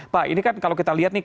pak ini kan kalau kita lihat nih